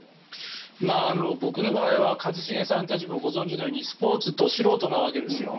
僕の場合は一茂さんたちもご存じのようにスポーツど素人なわけです。